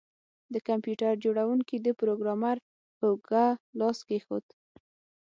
د کمپیوټر جوړونکي د پروګرامر په اوږه لاس کیښود